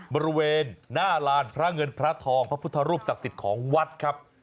บริเวณหน้าลานพระเงินพระทองพระพุทธรูปศักดิ์สิทธิ์ของวัดครับ